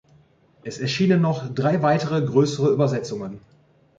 Es erschienen noch drei weitere größere Übersetzungen.